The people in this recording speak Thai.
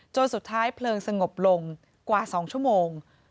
สุดท้ายเพลิงสงบลงกว่า๒ชั่วโมง